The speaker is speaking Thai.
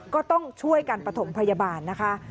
ก็ต้องช่วยกันประถมพยาบาลนะคะ